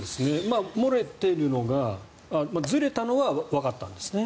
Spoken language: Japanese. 漏れているのがずれたのはわかったんですね。